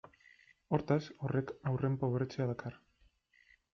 Hortaz, horrek haurren pobretzea dakar.